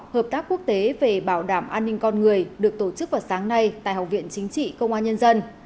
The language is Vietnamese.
hợp tác quốc tế về bảo đảm an ninh con người được tổ chức vào sáng nay tại học viện chính trị công an nhân dân